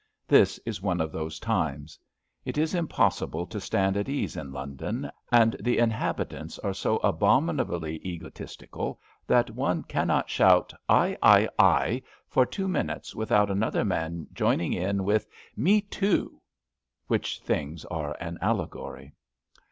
This is one of those times. It is impossible to stand at ease in London, and the inhabitants are so abominably egotistical that one cannot shout *'I, I, I '* for two minutes with out another man joining in with Me, too!'' li^ich things are an allegory.